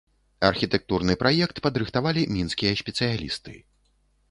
Архітэктурны праект падрыхтавалі мінскія спецыялісты.